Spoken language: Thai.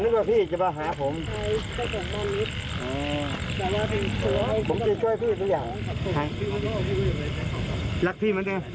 รักพี่เหมือนเดิม